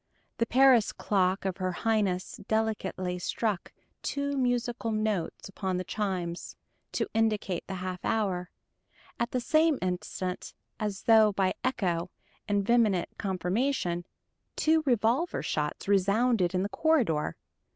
The Paris clock of her Highness delicately struck two musical notes upon the chimes, to indicate the half hour; at the same instant, as though by echo and vehement confirmation, two revolver shots resounded in the corridor.